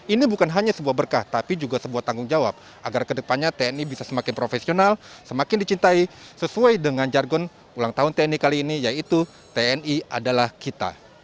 ini bukan hanya sebuah berkah tapi juga sebuah tanggung jawab agar kedepannya tni bisa semakin profesional semakin dicintai sesuai dengan jargon ulang tahun tni kali ini yaitu tni adalah kita